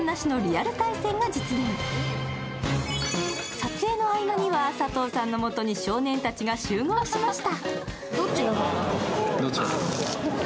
撮影の合間には佐藤さんのもとに少年たちが集合しました。